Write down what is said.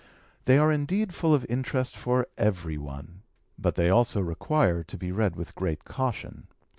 They are indeed full of interest for every one. But they also require to be read with great caution.